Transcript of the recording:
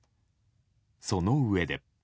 そのうえで。